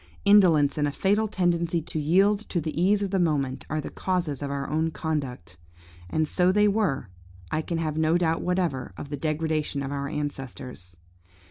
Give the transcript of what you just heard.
indolence and a fatal tendency to yield to the ease of the moment, are the causes of our own conduct; and so they were, I can have no doubt whatever, of the degradation of our ancestors.